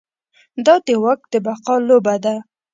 دا د واک د بقا لوبه ده.